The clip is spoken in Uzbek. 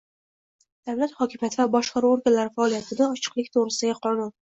“Davlat hokimiyati va boshqaruvi organlari faoliyatining ochiqligi to‘g‘risida”gi Qonuni.